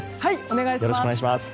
お願いします。